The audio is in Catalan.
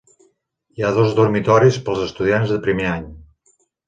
Hi ha dos dormitoris pels estudiants de primer any.